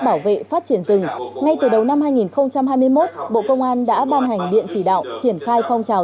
bảo vệ phát triển rừng ngay từ đầu năm hai nghìn hai mươi một bộ công an đã ban hành điện chỉ đạo triển khai phong trào